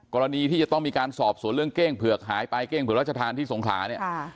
กรณีที่จะต้องมีการสอบสวนเรื่องเก้งเผือกหายไปเก้งเผือกรัชธานที่สงขลาเนี่ย